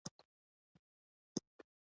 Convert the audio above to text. که په دغه حال کې ډهلي پر لور روان شي.